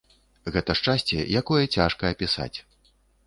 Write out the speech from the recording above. Гэта шчасце, якое цяжка апісаць.